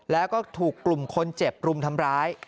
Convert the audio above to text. แล้วก็ถูกกลุ่มคนเจ็บรุมทำร้าย